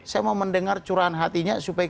saya mau mendengar curahan hatinya supaya